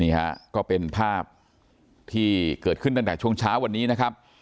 ฮะก็เป็นภาพที่เกิดขึ้นตั้งแต่ช่วงเช้าวันนี้นะครับ